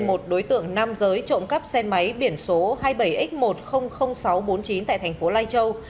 một đối tượng nam giới trộm cắp xe máy biển số hai mươi bảy x một trăm linh nghìn sáu trăm bốn mươi chín tại thành phố lai châu